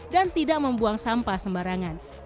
dan tidak membuang sampah sembarangan